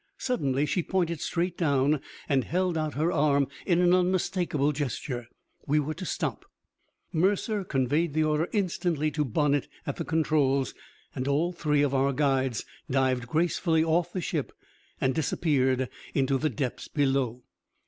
Suddenly she pointed straight down, and held out her arm in unmistakable gesture. We were to stop. Mercer conveyed the order instantly to Bonnett at the controls, and all three of our guides dived gracefully off the ship and disappeared into the depths below.